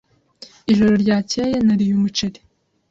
Ijoro ryakeye nariye umuceri.